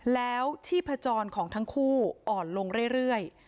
แล้วชีพจรของทั้งคู่อ่อนลงเรื่อย